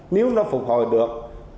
nếu nó phục hồi được